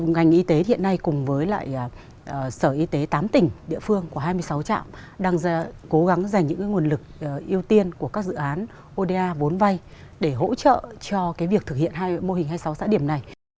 ngành y tế hiện nay cùng với lại sở y tế tám tỉnh địa phương của hai mươi sáu trạm đang cố gắng dành những nguồn lực ưu tiên của các dự án oda bốn vay để hỗ trợ cho việc thực hiện mô hình hai mươi sáu xã điểm này